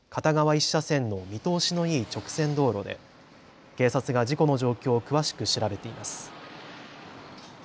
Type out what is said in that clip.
１車線の見通しのいい直線道路で警察が事故の状況を詳しく調べています。